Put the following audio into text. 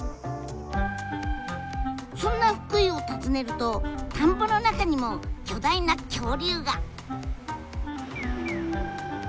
そんな福井を訪ねると田んぼの中にも巨大な恐竜が！